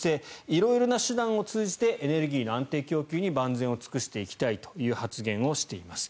色々な手段を通じてエネルギーの安定供給に万全を尽くしていきたいという発言をしています。